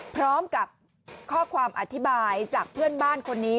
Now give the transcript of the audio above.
พร้อมกับข้อความอธิบายจากเพื่อนบ้านคนนี้